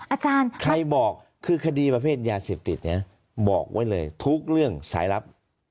อาจารย์ค่ะใครบอกคือคดีประเภทยาเสพติดเนี่ยบอกไว้เลยทุกเรื่องสายลับ